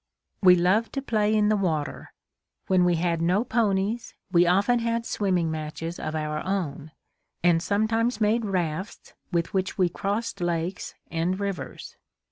We loved to play in the water. When we had no ponies, we often had swimming matches of our own, and sometimes made rafts with which we crossed lakes and rivers.